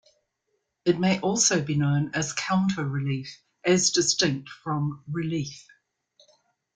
It may also be known as counter-relief, as distinct from relief.